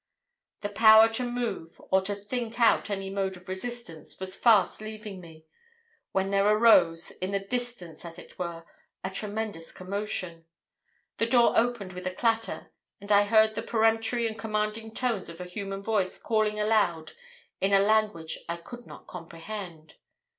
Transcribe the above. "The power to move, or to think out any mode of resistance, was fast leaving me, when there rose, in the distance as it were, a tremendous commotion. A door opened with a clatter, and I heard the peremptory and commanding tones of a human voice calling aloud in a language I could not comprehend.